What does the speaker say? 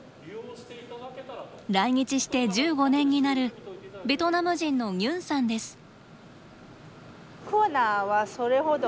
来日して１５年になるベトナム人のニュンさんです。